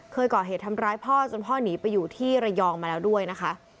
เคยก่อเหตุทำร้ายพ่อจนพ่อหนีไปอยู่ที่ระยองมาแล้วด้วยนะคะ